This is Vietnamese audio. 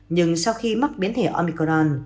nhưng sau khi mắc biến thể omicron